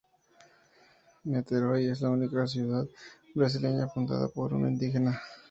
Niterói es la única ciudad brasileña fundada por un indígena.